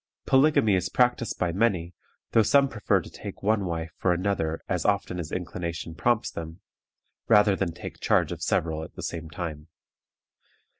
Polygamy is practiced by many, though some prefer to take one wife for another as often as inclination prompts them, rather than take charge of several at the same time.